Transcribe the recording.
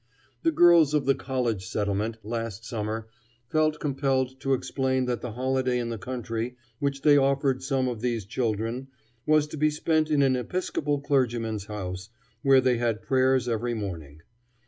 The girls of the College Settlement, last summer, felt compelled to explain that the holiday in the country which they offered some of these children was to be spent in an Episcopal clergyman's house, where they had prayers every morning.